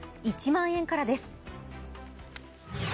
１万円からです。